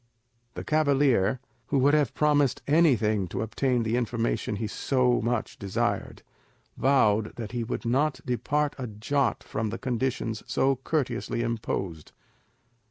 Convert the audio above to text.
The cavalier, who would have promised anything to obtain the information he so much desired, vowed that he would not depart a jot from the conditions so courteously imposed.